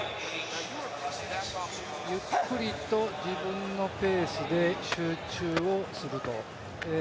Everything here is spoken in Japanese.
ゆっくりと自分のペースで集中をすると。